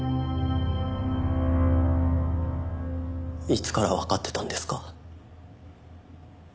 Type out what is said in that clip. いつからわかってたんですか？